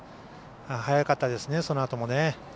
早かったですね、そのあとも。